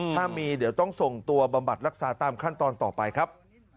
ถ้ามีเดี๋ยวต้องส่งตัวบำบัดรักษาตามขั้นตอนต่อไปครับ